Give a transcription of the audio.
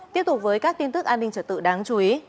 tiếp tục với các tin tức an ninh trở tự đáng chú ý